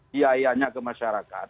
biayanya ke masyarakat